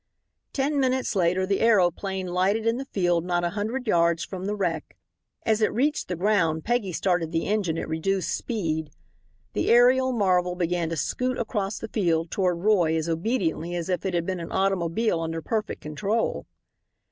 Ten minutes later the aeroplane lighted in the field not a hundred yards from the wreck. As it reached the ground Peggy started the engine at reduced speed. The aerial marvel began to scoot across the field toward Roy as obediently as if it had been an automobile under perfect control.